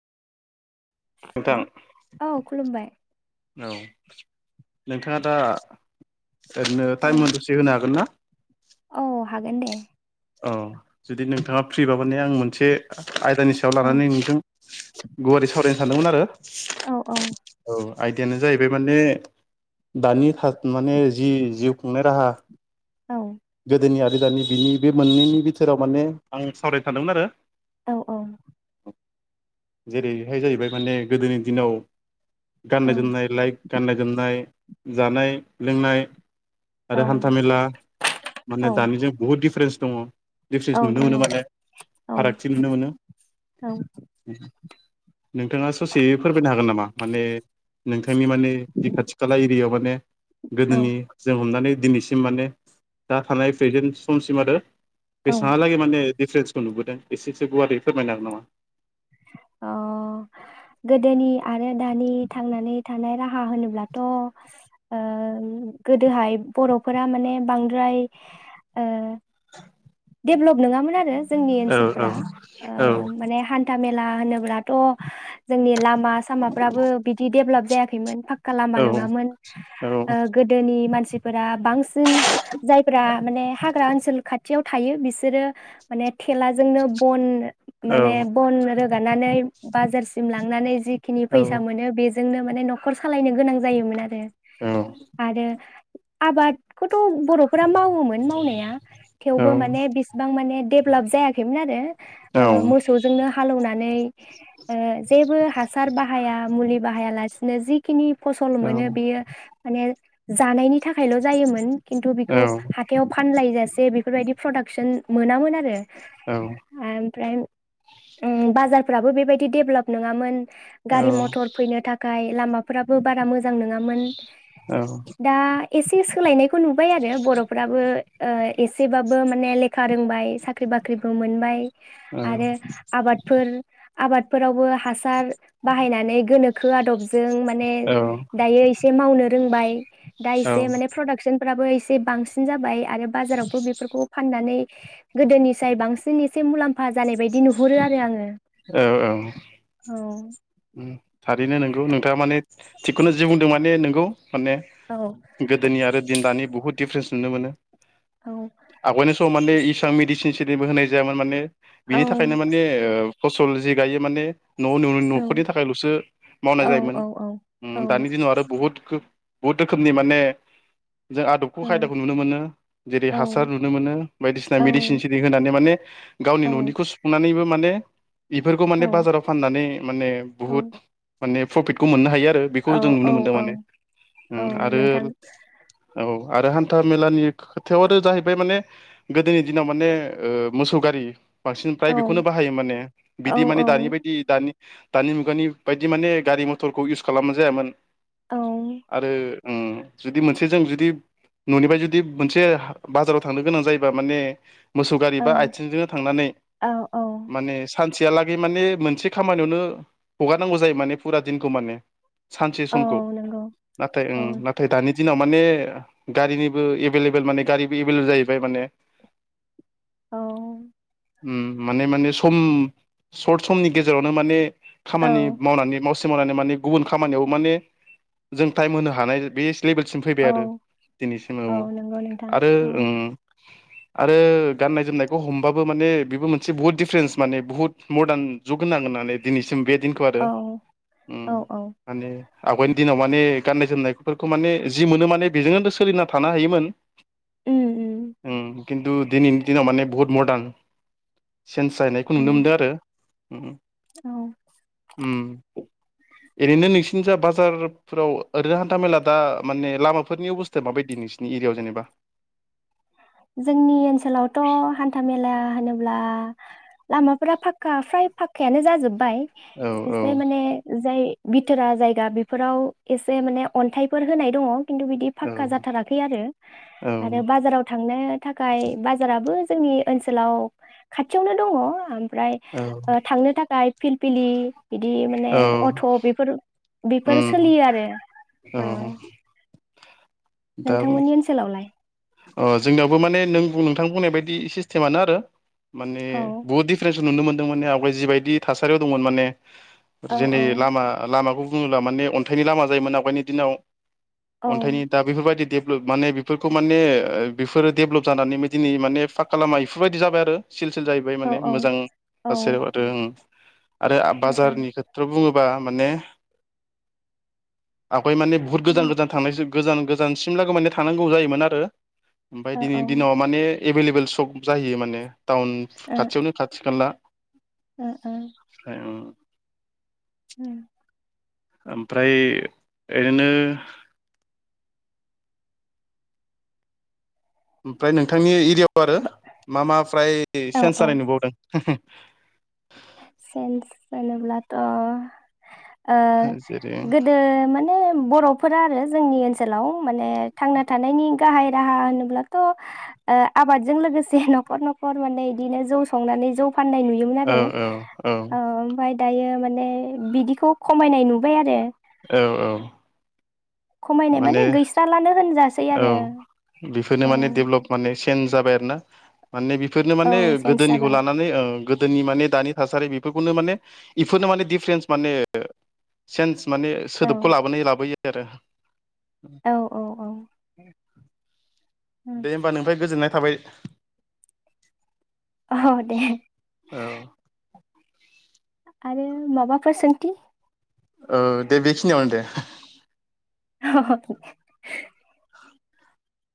नोंथां हेलौ औ खुलुमबाय औ नोंथाङा दा ओरैनो औ टाइममोन दसे होनो हागोन ना औ हागोन दे। औ जुदि नोंथाङा फ्रिबा माने आं मोनसे आयदानि सायाव औ लानानै नोंजों गुवारै सावरायनो सानदोंमोन आरो औ आयदायानो जाहैबाय माने दानि था माने जि जिउ खुंनाय राहा औ गोदोनि आ दानि बिनि बे मोननैनि बिथोराव माने आं सावरायनो सानदोमोन आरो औ औ जेरैहाय जाहैबाय माने गोदोनि दिनाव औ गाननाय जोमनाय लाइक गाननाय जोमनाय जानाय लोंनाय आरो हान्था मेला औ माने दानिजों बुहुत दिफरेन्स दङ। औ दिफरेन्स नुनो दङ मोनो औ माथो फारागथि नुनो मोनो। नोंथाङा ससे फोरमायनो हागोन नामा माने नोंथांनि माने बे खाथि खाला एरियायाव माने गोदोनि जों हमनानै दिनैसिम माने। दा थानाय प्रेजेन्ट समसिम आरो। औ बेसांहालागे माने दिफरेन्स खौ नुबोदों एसेसो गुवारै फोरमायनो हागोन नामा। अ गोदोनि आरो दानि थांनानै थानाय राह हा होनोब्लाथ। ओ गोदोहाय बरफोरा माने बांद्राय ओ। डेभलप नङामोन आरो जोंनि औ औ ओनसोलफ्रा औ ओ‌ माने हा मेला होनोबथ जोंनि ला मा सामाफ्राबो बिदि देबलाप जायाखैमोन फा खा लामा औ नोङामोन औ ओ गोदोनि मानसि फोरा बांसिन जायफ्रा माने हाग्रा ओनसोल खाथि थियाव थायो बिसोरो माने थेलाजोंनो बन माने औ। बन रोगानानै बाजारसिम लांनानै जिखिनि औ फैसा मोनो बेजोंनो मा माने नखर सालायनो गोनां जायोमोन आरो। आरो। आबादखौथ। बरफोरा मावोमोन मावनाया थेवबो माने बिसेबां माने देभलप जायाखैमोन आरो औ औ मोसौ। लेवनानै ओ जेबो हासार बाहाया मुलि बाहायालासिनो जिखिनि फसल मोनो बेयो माने जानायनि थाखायल जायोमोन खिन्थु बेखौ हाथायाव फानलायजासि जे बेफोरबायदि प्रडाक्सन मोनामोन आरो। ओमफ्राय ओ बाजारफ्राबो बेबायदि देभलप नङामोन गारि मथर फैनो थाखाय लामाफोराबो बारा मोजा मोजां नङामोन दा एसे सोलायनाय खौ नुबाय आरो बर'फ्राबो ओ एसेबाबो माने लेखा रोंबाय साख्रि बाख्रिबो मोनबाय औ आरो आबादफोर आबादफोरावबो हासार बाहायनानै गोनो खो आदबज जों माने दायो एसे मावनो रोंबाय दा इसे माने प्रडाक्सन फोराबो एसे बांसिन जाबाय आरो बाजारावबो बेफोरखौ फाननानै गोदोनिफ्राय बांसिन एसे मुलाम्फा जानाय बायदि नु हुरो आरो आङो औ औ उम थारैनो नोंगौ नोंथाङा माने थिगखौनो जि बुंदों माने नोंगौ माने औ गोदोनि आरो दिन दानि बहुत दिफ्र्रेन्स नुनो मोनो आगयनि स स माने इसां मेडिसिन सलिबो होनाय जायामोन माने औ बिनि थाखायनो माने ओ फसल जि गायो माने न' न' औ न'खरनि थाखायलसो औ मावनाय जायोमोन औ उम औ दानि दिनाव आरो बुहुद बहुत रोखोमनि माने जों आदबखौ खायदाखौ नुनो मोनो जेरै औ हासार नुनो मोनो बायदिसिना औ मेडिसिन सिदि होनानै माने गावनि औ ननिखौ सुफुंनानैबो माने बेफोरखौ माने औ बाजाराव फाननानै माने औ बहुद माने प्रफिटखौ मोननो हायो आ आरो बेखौ औ जों औ नुनो मोनदों औ माने औ उम आरो नोंथां औ आरो हान हान्था मेलानि खोथायाव आरो जाहैबाय माने गोदोनि दिनाव माने ओ मोसौ गारि बांसिन फ्राय औ बेखौनो बाहायो माने। औ औ बिदि माने दानि बायदि दा नि दानि मुगानि बायदि माने गारि मथरखौ इउस खालामनाय जायामोन। औ आरो उम जुदि मोनसे जों जुदि ननिफ्राय जुदि मोनसे हा बाजाराव थांनो गोनां जायोबा माने मोसौ गारि बा औ आइथिंजोंनो थांनानै औ औ माने सानसेयालागै माने मोनसे खामानियावनो हगारनांगौ जायो माने फुरा दिनखौ माने। सानसे औ समखौ नंगौ नाथाय औ उम नाथाय दानि दिनाव माने गारिनिबो एबेल लेबेल माने गारिबो ऐबेल जाहैबाय माने। औ उम माने माने सम सर्ट समनि गेजेरावनो माने खामानि औ मावनानै मावसे मावनानै माने गुबुन खामानियाव माने जों टाइम होनो हानाय बे लेभेलसिम फैबाय औ आरो दिनैसिम औ नंगौ नोंथां आरो औ ओं । आरो गाननाय जोमनायखौ हमबाबो माने बेबो मोनसे बहुत दिफरेन्स माने बुहुत मदार्न जुग होनांगोन होननानै दिनैसिम बे दिनखौ आरो औ उम औ औ माने आवगाय दिनाव माने गाननाय जोमनायफोरखौ माने जि मोनो माने बेजोंनोदो सोलिना थानो हायोमोन। उम। खिन्थु दिनैनि दिनाव माने बहुत मर्दान चेन्ज जाहैनायखौ नुनो उम मोनदो उम औ उम। ओरैनो नोंसिनि जा बाजारफोराव ओरैनो हान्थामेला दा माने लामाफोरनि अबस्थाया माबायदि नोंसिनि एरियायाव जेनेबा। जोंनि ओनसोलावथ हान्था मेला होनोब्ला लामाफोरा फाखक्का फ्राय फाखक्कायानो जाजोब्बाय। औ एसे माने जाय बिथोरा जायगा बेफोराव एसे माने अन्थाइफोर होनाय दङ। खिन्थु बिदि औ फाखक्का जाथाराखै आरो औ आरो बाजाराव थांनो थाखाय बाजारा बो जोंनि खाथियावनो दङ ओमफ्राय ओ थांनो थाखाय फिलफिलि बिदि माने औ अट बेफोर बिफोर सोलियो आरो । अ । नोंथांमोननि ओनसोलावलाय? अ जोंनियावबो माने नों नोंथां बुंनाय बायदि सिस्टेमानो आरो । माने औ बहुत दिफारेन्स नुनो मोनो । [unintelligible] आवगाय जिबायदि थासारियाव दंमोन माने औ जोंनि लामा - लामाखौ बुङोब्ला माने अन्थाइनि लामा जायोमोन आवगायनि दिनाव। औ अन्थाइनि दा बेफोरबायदि देभलप माने बेफोरखौ माने ओ बेफोरो डेभलप जानानैबो दिनै माने पाक्का लामा इफोरबायदि जाबाय आरो ‌। सिल सिल जाहैबाय औ माने औ मोजां ओ सासेयाव आरो ओम । आरो ओ बाजारनि खेथ्र' बुङोब्ला बा माने आ हाइ माने बहुत गोजान गोजान थांनाय जो गोजान गोजानसिम लोगो मोन्नो थांनांगौ जायोमोन आरो । ओमफाय औ ओ दिनैनि दिनाव माने एभेलेबेल सक जाहैयो माने । टाउन खाथियावनो खाथि खाला । ओ ए ओं । उम । आमफ्राय ओरैनो ओमफ्राय नोंथांनि एरिया आरो मा मा फ्राय औ सेन्स जानाय नुबावदों? हो होम । चेन्स होनोब्लाथ' ओ जेरै गोदो माने बर ' फोरा आरो जोंनि ओनसोलाव माने थांना थानायनि गाहाय राहा होनोब्लाथ' ओ आबादजों लोगोसे नखर नखर माने इदिनो जौ संनानै जौ फाननाय नुयोमोन औ आरो । औ औ ओ ओमफाय दायो माने बिदिखौ खमायनाय नुबाय आरो । औ औ। खमायनाय माने गैस्रालानो होनजासै आरो औ औ । सेन जाबाय आरो ना माने बेफोरनो माने औ चेन्ज गोदोनिखौ जाबाय लानानै ओ गोदोनि माने दानि थासारि बेफोरखौनो माने इफोरनो माने दिफारेन्स माने सेन्स माने औ सोदोबखौ लाबोनो लाबोयै बे आरो औ औ औ [inaudible] दे होमबा नोंनिफाय गोजोन्नाय थाबाय औ दे औ आरो माबाफोर सोंथि औ दे बेखिनियावनो दे अ अ दे